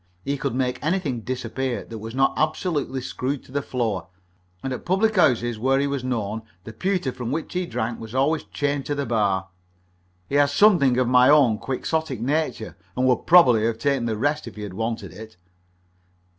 He could make anything disappear that was not absolutely screwed to the floor, and at public houses where he was known the pewter from which he drank was always chained to the bar. He had something of my own quixotic nature, and would probably have taken the rest if he had wanted it.